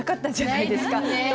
ないですね。